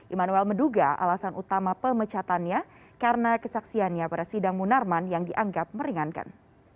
immanuel menduga alasan utama pemecatannya karena kesaksiannya pada sidang munarman yang dianggap meringankan